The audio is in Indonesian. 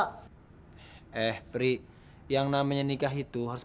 ambil ini yang paling berharga siap